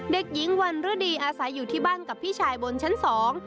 เด็กหญิงวันฤดีอาศัยอยู่ที่บ้านกับพี่ชายบนชั้นสอง